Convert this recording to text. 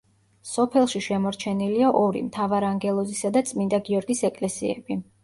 სოფელში შემორჩენილია ორი, მთავარანგელოზისა და წმინდა გიორგის ეკლესიები.